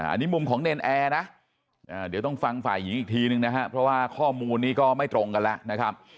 อันนี้มุมของเนรนแอร์นะเดี๋ยวต้องฟังฝ่ายหญิงอีกทีนึงนะครับเพราะว่าข้อมูลนี้ก็ไม่ตรงกันแล้วนะครับ